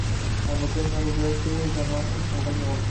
আর নতুন ঝাড়ু পেয়েছি, জানো, ঝাড়ুটা কেমন?